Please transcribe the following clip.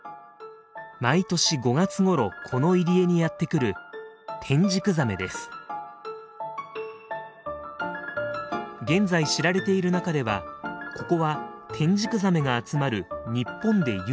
毎年５月ごろこの入り江にやって来る現在知られている中ではここはテンジクザメが集まる日本で唯一の場所。